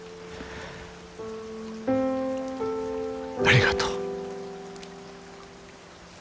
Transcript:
ありがとう。